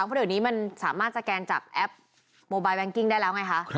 เพราะเดี๋ยวนี้มันสามารถสแกนจากแอปโมบายแวงกิ้งได้แล้วไงคะ